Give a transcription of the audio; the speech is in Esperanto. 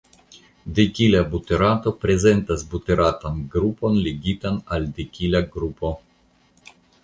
Dekila buterato prezentas buteratan grupon ligitan al dekila grupo.